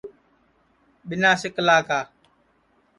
ٻینا سکلا کا